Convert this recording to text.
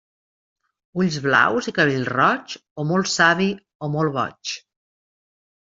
Ulls blaus i cabell roig, o molt savi o molt boig.